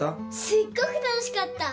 すっごく楽しかった。